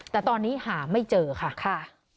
แต่ตอนนี้หาไม่เจอค่ะค่ะ